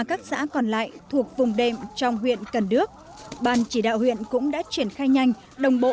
các xã còn lại thuộc vùng đệm trong huyện cần đước ban chỉ đạo huyện cũng đã triển khai nhanh đồng bộ